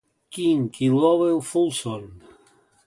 King i Lowell Fulsom.